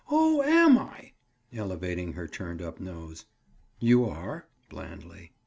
"Oh, am I?" Elevating her turned up nose. "You are." Blandly.